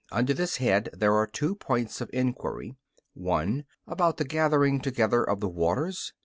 Under this head there are two points of inquiry: (1) About the gathering together of the waters.